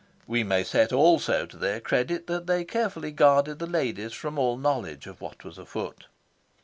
We may set also to their credit that they carefully guarded the ladies from all knowledge of what was afoot.